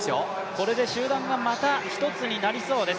これで集団がまた一つになりそうです。